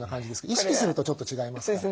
意識するとちょっと違いますから。